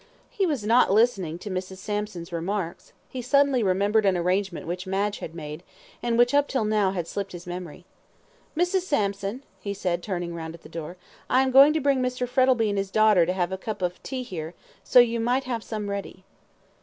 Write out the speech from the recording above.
He was not listening to Mrs. Sampson's remarks. He suddenly remembered an arrangement which Madge had made, and which up till now had slipped his memory. "Mrs. Sampson," he said, turning round at the door, "I am going to bring Mr. Frettlby and his daughter to have a cup of afternoon tea here, so you might have some ready."